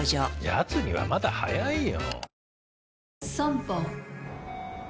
やつにはまだ早いよ。